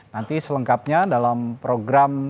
nanti selengkapnya dalam program